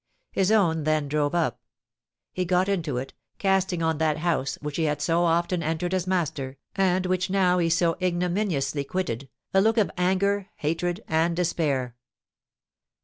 His own then drove up. He got into it, casting on that house which he had so often entered as master, and which now he so ignominiously quitted, a look of anger, hatred, and despair.